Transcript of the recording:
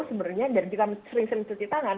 sebenarnya dari kita sering sering cuci tangan